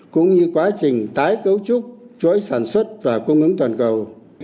cũng như quá trình tái cấu trúc chuỗi sản xuất và cung ứng toàn cầu